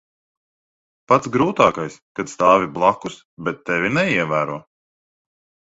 Pats grūtākais - kad stāvi blakus, bet tevi neievēro.